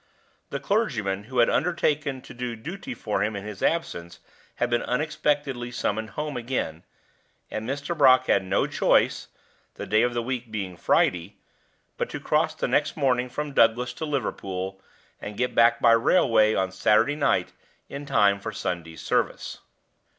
The clergyman who had undertaken to do duty for him in his absence had been unexpectedly summoned home again; and Mr. Brock had no choice (the day of the week being Friday) but to cross the next morning from Douglass to Liverpool, and get back by railway on Saturday night in time for Sunday's service.